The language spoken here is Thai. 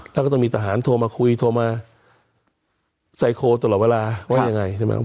แล้วก็ต้องมีทหารโทรมาคุยโทรมาไซโครตลอดเวลาว่ายังไงใช่ไหม